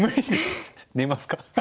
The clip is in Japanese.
寝ますか。